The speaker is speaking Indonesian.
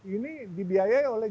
ini dibiayai oleh